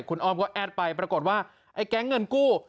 คุณอ้อมก็แอดไปปรากฏว่าไอ้แก๊งเงินกู้